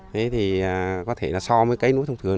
thế thì có thể là so với cây lúa thông thường